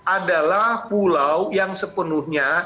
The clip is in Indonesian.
adalah pulau yang sepenuhnya